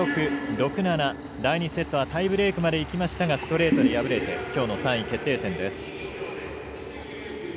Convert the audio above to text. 第２セットはタイブレークまでいきましたが、敗れてきょうの３位決定戦です。